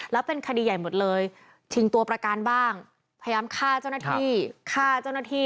แล้วเป็นคดีใหญ่หมดเลยชิงตัวประกันบ้างพยายามฆ่าเจ้าหน้าที่ฆ่าเจ้าหน้าที่